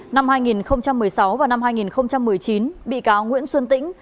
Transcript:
năm hai nghìn một mươi sáu và năm hai nghìn một mươi chín bị cáo nguyễn xuân tĩnh